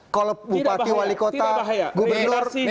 kalau bupati wali kota gubernur